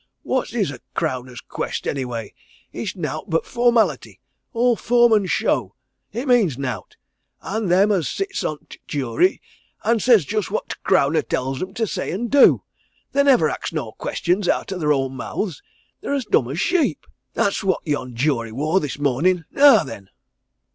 "What is a crowner's quest, anyway? It's nowt but formality all form and show it means nowt. All them 'at sits on t' jury does and says just what t' crowner tells 'em to say and do. They nivver ax no questions out o' their own mouths they're as dumb as sheep that's what yon jury wor this mornin' now then!"